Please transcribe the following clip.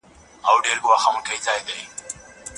هغه خلک چې مسواک کاروي، د هضم سیستم یې ښه کار کوي.